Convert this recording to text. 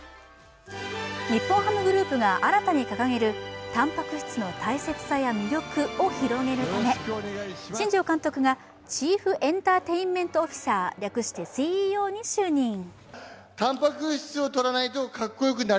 日本ハムグループが新たに掲げるたんぱく質の大切さや魅力を広げるため、新庄監督がチーフ・エンターテインメント・オフィサー、略してＣＥＯに就任。